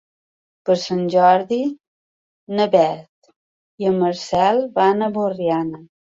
Per Sant Jordi na Beth i en Marcel van a Borriana.